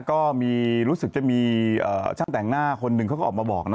ก็มีรู้สึกจะมีช่างแต่งหน้าคนหนึ่งเขาก็ออกมาบอกนะ